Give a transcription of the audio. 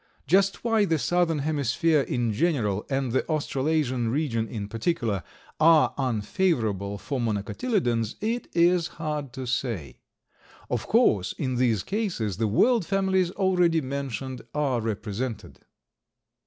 Just why the southern hemisphere in general, and the Australasian region in particular, are unfavorable for Monocotyledons, it is hard to say. Of course in these cases the world families already mentioned are represented.